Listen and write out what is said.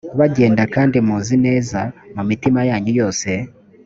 bagenda kandi muzi neza mu mitima yanyu yose